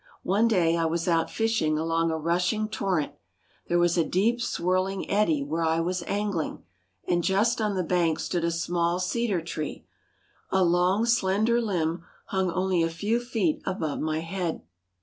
One day I was out fishing along a rushing torrent. There was a deep, swirling eddy where I was angling, and just on the bank stood a small cedar tree. A long, slender limb hung only a few feet above my head.